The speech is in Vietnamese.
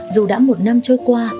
dù đã một năm trôi qua